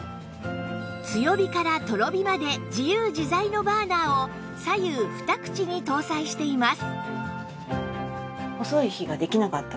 強火からとろ火まで自由自在のバーナーを左右２口に搭載しています